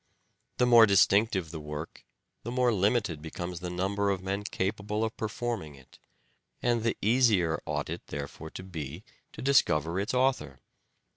The more distinctive the work the more limited 96 "SHAKESPEARE" IDENTIFIED becomes the number of men capable of performing it, and the easier ought it, therefore, to be to discover its author.